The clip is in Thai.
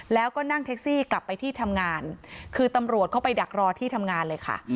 แล้วก็นั่งแท็กซี่กลับไปที่ทำงานคือตำรวจเข้าไปดักรอที่ทำงานเลยค่ะ